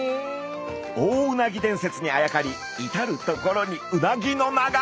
大うなぎ伝説にあやかり至る所にうなぎの名が！